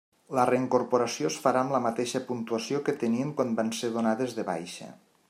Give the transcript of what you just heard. La reincorporació es farà amb la mateixa puntuació que tenien quan van ser donades de baixa.